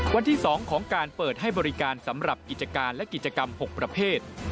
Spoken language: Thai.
วันที่๒ของการเปิดให้บริการสำหรับกิจการและกิจกรรม๖ประเภท